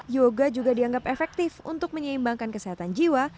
yoga juga dianggap efektif untuk menyeimbangkan kesehatan jiwa